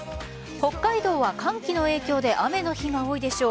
北海道は寒気の影響で雨の日が多いでしょう。